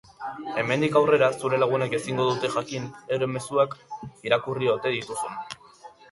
Hemendik aurrera zure lagunek ezingo dute jakin euren mezuak irakurri ote dituzun.